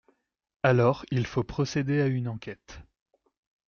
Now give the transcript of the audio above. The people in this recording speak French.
Alors il faut procéder à une enquête.